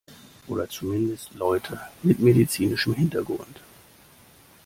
Oder zumindest Leute mit medizinischem Hintergrund.